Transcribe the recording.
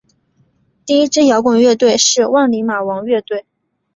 第一支摇滚乐队是万李马王乐队。